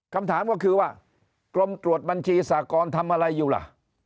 คำถามก็คือว่ากรมตรวจบัญชีสากรทำอะไรอยู่ล่ะ